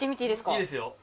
いいですよ。